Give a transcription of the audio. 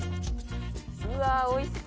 うわおいしそ